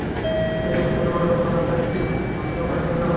Singapore থেকে পাঠানো পণ্য ঢাকার একটি পোশাক কারখানার প্রতিষ্ঠানের নামে আসে।